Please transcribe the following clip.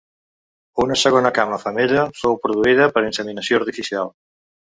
Una segona cama femella fou produïda per inseminació artificial.